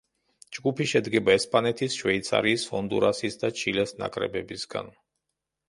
ჯგუფი შედგება ესპანეთის, შვეიცარიის, ჰონდურასის და ჩილეს ნაკრებებისგან.